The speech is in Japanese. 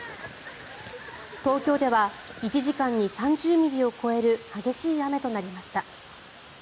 東京では１時間に３０ミリを超える激しい雨となりました。